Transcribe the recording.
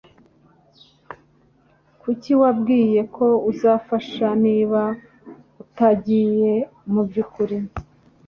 Kuki wabwiye ko uzafasha niba utagiye mubyukuri?